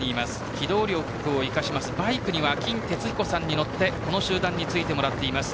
機動力を生かしてバイクには金哲彦さんに乗ってこの集団についてもらっています。